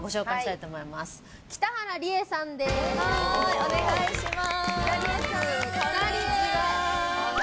お願いします！